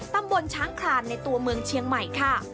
ตำบลช้างคลานในตัวเมืองเชียงใหม่ค่ะ